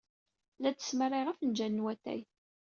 La d-smarayeɣ afenjal n watay.